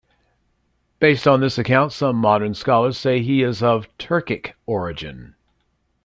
Based on this account, some modern scholars say he is of Turkic origin.